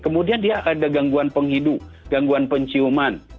kemudian dia ada gangguan penghidu gangguan penciuman